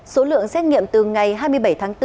số lượng xét nghiệm từ ngày hai mươi bảy tháng bốn